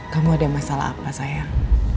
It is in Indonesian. kamu ada masalah apa sayang